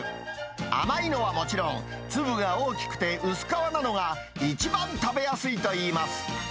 甘いのはもちろん、粒が大きくて薄皮なのが一番食べやすいといいます。